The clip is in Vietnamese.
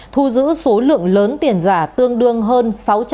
thu giữ số lượng lớn tiền giả tương đương hơn sáu trăm linh